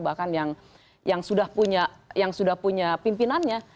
bahkan yang sudah punya pimpinannya